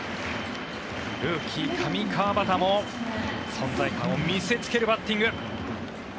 ルーキー、上川畑も存在感を見せつけるバッティング。